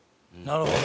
なるほど。